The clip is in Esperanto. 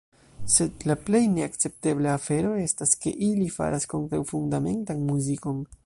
Sed la plej neakceptebla afero estas ke ili faras kontraŭfundamentan muzikon.